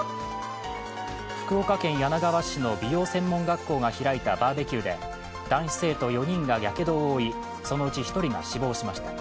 福岡県柳川市の美容専門学校が開いたバーベキューで男子生徒４人がやけどを負い、そのうち１人が死亡しました。